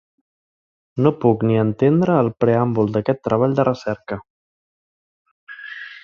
No puc ni entendre el preàmbul d'aquest treball de recerca.